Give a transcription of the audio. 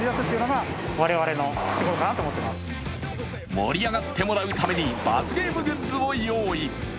盛り上がってもらうために罰ゲームグッズを用意。